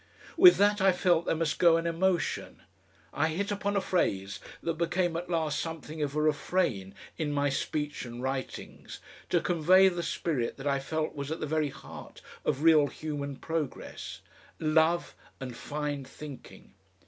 With that I felt there must go an emotion. I hit upon a phrase that became at last something of a refrain in my speech and writings, to convey the spirit that I felt was at the very heart of real human progress love and fine thinking.